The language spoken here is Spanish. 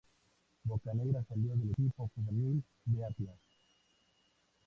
Bocanegra salió del equipo juvenil de Atlas.